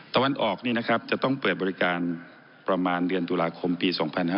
ตะวันออกจะต้องเปิดบริการประมาณเดือนตุลาคมปี๒๕๕๙